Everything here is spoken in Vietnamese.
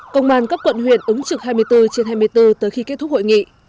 công an các quận huyện ứng trực hai mươi bốn trên hai mươi bốn tới khi kết thúc hội nghị